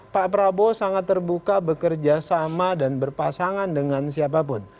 pak prabowo sangat terbuka bekerja sama dan berpasangan dengan siapapun